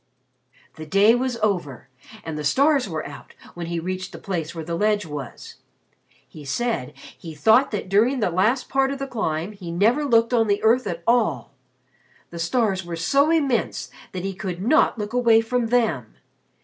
"The day was over and the stars were out when he reached the place were the ledge was. He said he thought that during the last part of the climb he never looked on the earth at all. The stars were so immense that he could not look away from them.